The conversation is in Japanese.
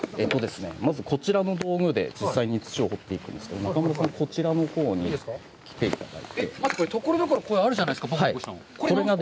まず、こちらの道具で、実際に土を掘っていくんですけど、中丸さん、こちらのほうに来ていただいて。ところどころ、これあるじゃないですか、ぼこぼこしたのが。